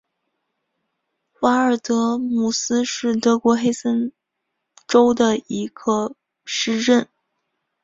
瓦尔德姆斯是德国黑森州的一个市镇。